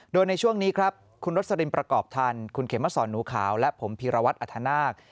โดยในช่วงนี้ครับคุณรสลินประกอบทันคุณเขมสอนหนูขาวและผมพีรวัตรอัธนาค